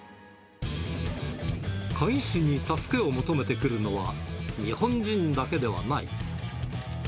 鍵師に助けを求めてくるのは、日本人だけではない。